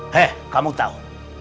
he kamu tahu